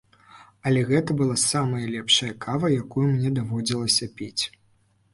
Але гэта была самая лепшая кава, якую мне даводзілася піць.